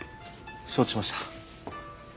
承知しました。